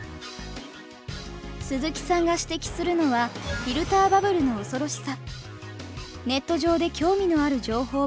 鈴木さんが指摘するのはフィルターバブルの恐ろしさ。